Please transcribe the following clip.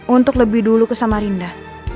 untuk lebih dulu ke samarinda